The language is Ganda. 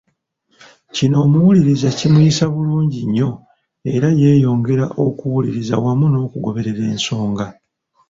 Kino omuwuliriza kimuyisa bulungi nnyo era yeeyongera okuwuliriza wamu n'okugoberera ensonga.